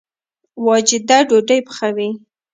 واجده ډوډۍ پخوي